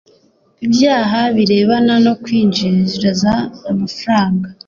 ibyaha birebana no kwinjiza amafaranga